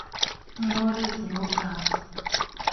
Maurice Rogers.